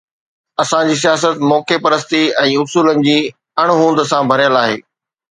اسان جي سياست موقعي پرستي ۽ اصولن جي اڻهوند سان ڀريل آهي.